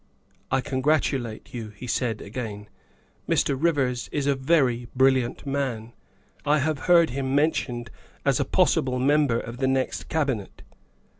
"" I congratulate you," he said again, " Mr. Rivers is a very brilliant man. I have heard him mentioned as a possible member of the next Cabinet.